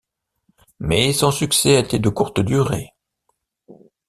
Mais son succès a été de courte durée.